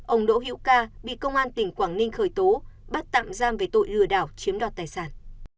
ông đỗ hiễu ca bị công an tỉnh quảng ninh khởi tố bắt tạm giam về tội lừa đảo chiếm đoạt tài sản